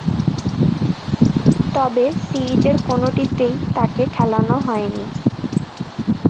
তবে, সিরিজের কোনটিতেই তাকে খেলানো হয়নি।